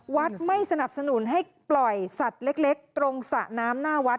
ไม่สนับสนุนให้ปล่อยสัตว์เล็กตรงสระน้ำหน้าวัด